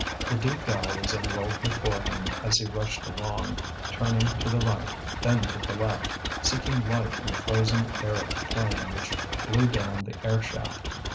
The deep galleries unrolled before him as he rushed along, turning to the right, then to the left, seeking life in the frozen air of the plain which blew down the air shaft.